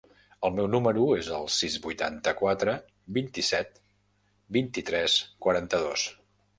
El meu número es el sis, vuitanta-quatre, vint-i-set, vint-i-tres, quaranta-dos.